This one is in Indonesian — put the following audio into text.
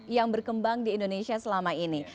yang berkembang di indonesia selama ini